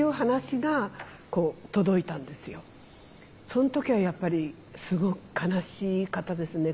その時はやっぱりすごく悲しかったですね